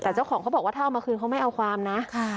แต่เจ้าของเขาบอกว่าถ้าเอามาคืนเขาไม่เอาความนะ